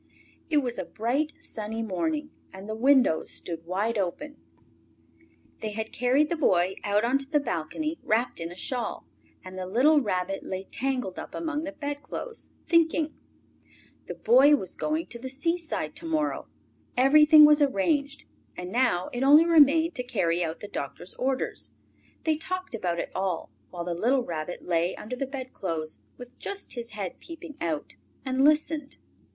It was a bright, sunny morning, and the windows stood wide open. They had carried the Boy out on to the balcony, wrapped in a shawl, and the little Rabbit lay tangled up among the bedclothes, thinking. The Boy was going to the seaside to morrow. Everything was arranged, and now it only remained to carry out the doctor's orders. They talked about it all, while the little Rabbit lay under the bedclothes, with just his head peeping out, and listened.